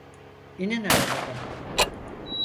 İnin arabadan!